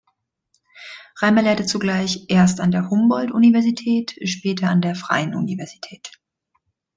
Reimer lehrte zugleich erst an der Humboldt-Universität, später an der Freien Universität.